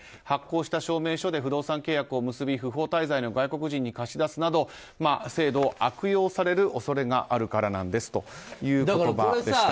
発行した証明書で不動産契約を結び不法滞在の外国人に貸し出すなど制度を悪用する恐れがあるからなんですということでした。